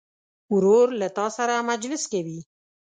ورور له تا سره مجلس کوي.